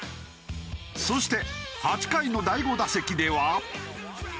そして８回の第５打席では。